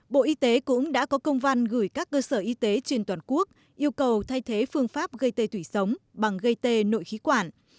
bộ y tế cũng đã có công văn gửi các cơ sở y tế trên toàn quốc yêu cầu thay thế phương pháp gây tê thủy sống bằng gây tê nội khí quản